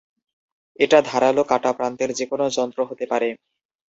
এটা ধারালো কাটা প্রান্তের যেকোনো যন্ত্র হতে পারে।